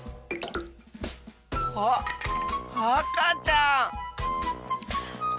あっあかちゃん！